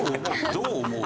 「どう思う？」